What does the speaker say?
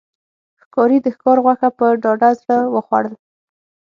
ښکاري د ښکار غوښه په ډاډه زړه وخوړل.